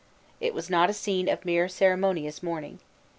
It was not a scene of mere ceremonious mourning.